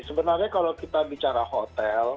sebenarnya kalau kita bicara hotel